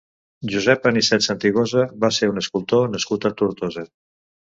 Josep Anicet Santigosa va ser un escultor nascut a Tortosa.